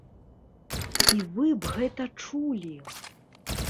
І вы б гэта чулі!